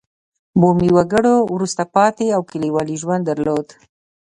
بومي وګړو وروسته پاتې او کلیوالي ژوند درلود.